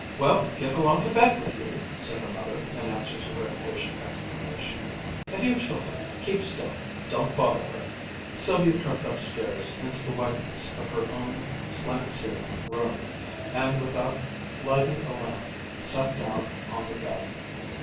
"Well, get along to bed with you!" said her mother, in answer to her impatient explanation. "And, you children keep still! Don't bother her!" Sylvia crept upstairs into the whiteness of her own slant ceilinged room, and without lighting a lamp sat down on the bed.